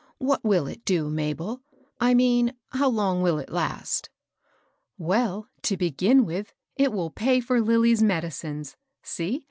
What will it do, Mabel ?— I mean how long will it last ?" "Well, to begin with, it will pay for Lilly's medicines, — see